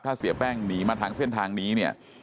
ถ้าเสียแป้งหนีมาทางเส้นทางนี้เนี่ย